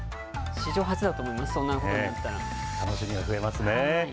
史上初だと思います、そんなこと楽しみが増えますね。